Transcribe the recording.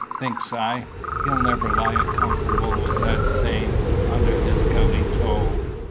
Thinks I, he'll never lie comfortable with that same under his gouty toe.